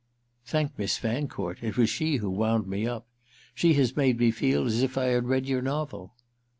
"Thank Miss Fancourt—it was she who wound me up. She has made me feel as if I had read your novel."